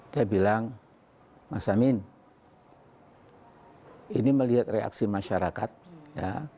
dia bilang mas amin ini melihat reaksi masyarakat ya